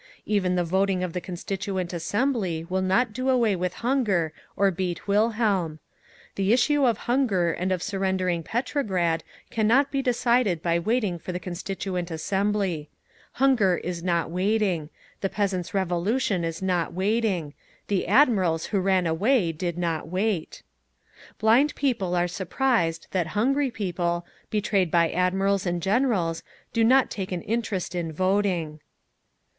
Even the voting of the Constituent Assembly will not do away with hunger, or beat Wilhelm…. The issue of hunger and of surrendering Petrograd cannot be decided by waiting for the Constituent Assembly. Hunger is not waiting. The peasants' Revolution is not waiting. The Admirals who ran away did not wait. "Blind people are surprised that hungry people, betrayed by admirals and generals, do not take an interest in voting.